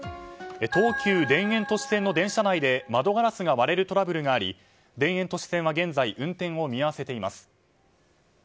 東急田園都市線の電車内で窓ガラスが割れるトラブルがあり田園都市線は現在運転を見合わせています。